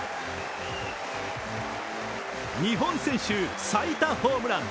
日本選手最多ホームラン。